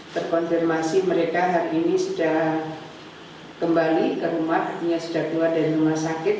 terkonfirmasi mereka hari ini sudah kembali ke rumah artinya sudah keluar dari rumah sakit